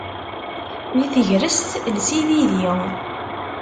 Di tegrest, els ibidi.